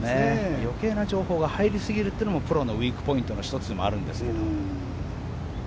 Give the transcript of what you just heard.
余計な情報が入りすぎるのもプロのウィークポイントでもあるんですけど。